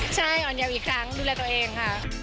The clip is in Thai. ใช่อ่อนยาวอีกครั้งดูแลตัวเองค่ะ